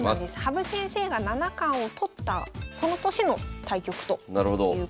羽生先生が七冠を取ったその年の対局ということです。